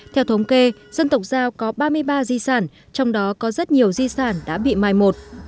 theo thống kê dân tộc giao có ba mươi ba di sản trong đó có rất nhiều di sản đã bị mai một